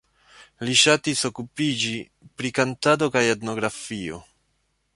Li ŝatis okupiĝi pri kantado kaj etnografio.